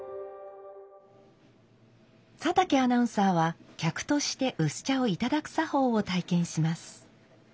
佐竹アナウンサーは客として薄茶をいただく作法を体験します。